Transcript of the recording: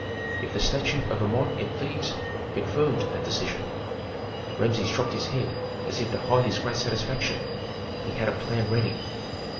"If the statue of Amon in Thebes confirmed that decision." Rameses dropped his head as if to hide his great satisfaction. He had a plan ready.